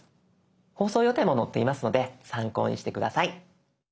放送予定も載っていますので参考にして下さい。